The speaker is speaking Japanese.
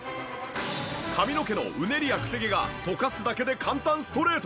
髪の毛のうねりやクセ毛がとかすだけで簡単ストレート。